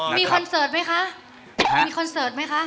มีคอนเสิร์ตไหมคะ